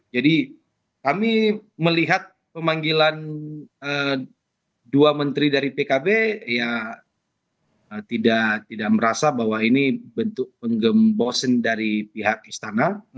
jadi kami melihat pemanggilan dua menteri dari pkb ya tidak merasa bahwa ini bentuk penggembosin dari pihak istana